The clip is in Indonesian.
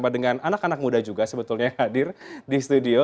dengan anak anak muda juga sebetulnya yang hadir di studio